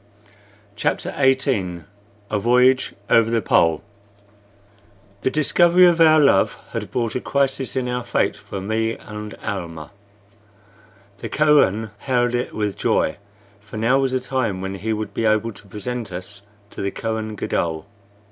CHAPTER XVIII A VOYAGE OVER THE POLE The discovery of our love had brought a crisis in our fate for me and Almah. The Kohen hailed it with joy, for now was the time when he would be able to present us to the Kohen Gadol.